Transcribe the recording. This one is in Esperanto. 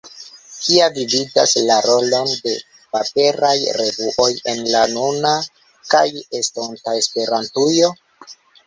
Kia vi vidas la rolon de paperaj revuoj en la nuna kaj estonta Esperantujo?